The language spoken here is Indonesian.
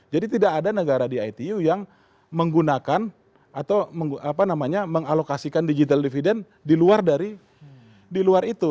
jadi tidak ada negara di itu yang menggunakan atau apa namanya mengalokasikan digital dividend di luar dari di luar itu